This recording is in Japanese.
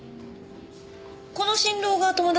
この新郎が友達？